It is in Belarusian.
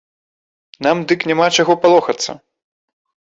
Нам дык няма чаго палохацца.